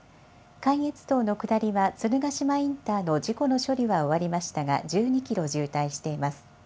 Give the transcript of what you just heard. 関越道の下りは、鶴ヶ島インターの事故の処理は終わりましたが、１２キロ渋滞しています。